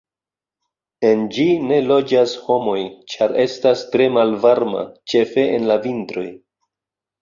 En ĝi ne loĝas homoj, ĉar estas tre malvarma, ĉefe en la vintroj.